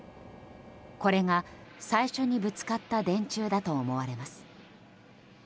これが、最初にぶつかった電柱だと思われます。